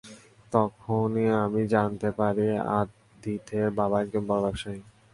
তখনই আমরা জানতে পারি আদিথের বাবা একজন বড় ব্যবসায়ী।